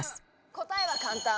答えは簡単。